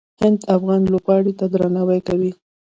هند افغان لوبغاړو ته درناوی کوي.